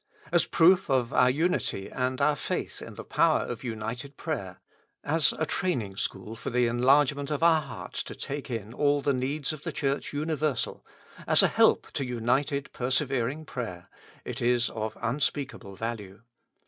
As proof of our unity and our faith in the power of united prayer, as a training school for the enlargement of our hearts to take in all the needs of the Church universal, as a help to united persevering prayer, it is of unspeakable value.